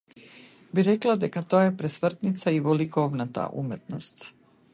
Би рекла дека тоа е пресвртница и во ликовната уметност.